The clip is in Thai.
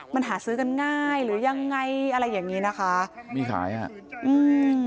มันหาซื้อกันง่ายหรือยังไงอะไรอย่างงี้นะคะมีขายฮะอืม